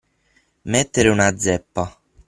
Mettere una zeppa.